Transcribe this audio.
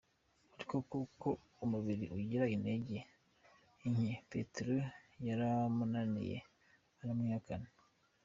Ariko kuko umubiri ugira intege nke Petero byaramunaniye aramwihakana.